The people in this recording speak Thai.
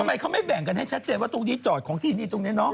ทำไมเขาไม่แบ่งกันให้ชัดเจนว่าตรงนี้จอดของที่นี่ตรงนี้เนาะ